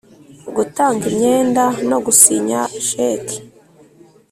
Gutanga imyenda no gusinya sheki